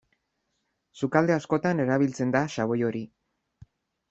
Sukalde askotan erabiltzen da xaboi hori.